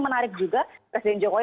menarik juga presiden jokowi